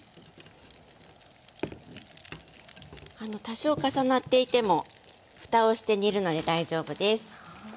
多少重なっていてもふたをして煮るので大丈夫です。